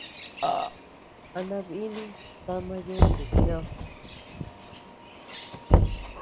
¿A nabinu tama yuntu cheʼed?